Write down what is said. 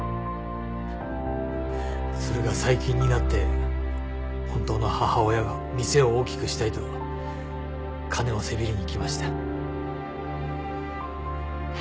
それが最近になって本当の母親が店を大きくしたいと金をせびりに来ました。